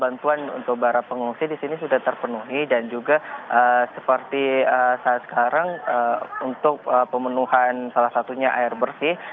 bantuan untuk para pengungsi di sini sudah terpenuhi dan juga seperti saat sekarang untuk pemenuhan salah satunya air bersih